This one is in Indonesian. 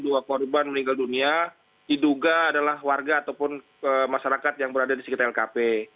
dua korban meninggal dunia diduga adalah warga ataupun masyarakat yang berada di sekitar lkp